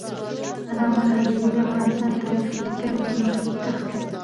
علامه حبیبي د افغانستان د تاریخ په لیکنه کې مخکښ و.